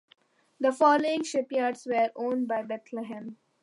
The following shipyards were owned by Bethlehem.